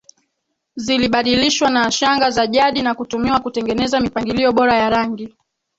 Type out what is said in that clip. zilibadilishwa na shanga za jadi na kutumiwa kutengeneza mipangilio bora ya rangi